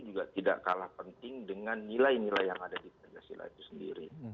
juga tidak kalah penting dengan nilai nilai yang ada di pancasila itu sendiri